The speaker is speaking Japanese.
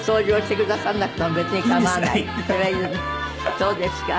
そうですか。